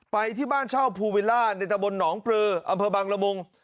ไปที่บ้านเช่าภูวิลล่าในตะบนหนองปลืออำเภอบังละมุง